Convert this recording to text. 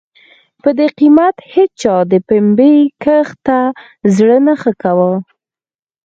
په دې قېمت هېچا د پنبې کښت ته زړه نه ښه کاوه.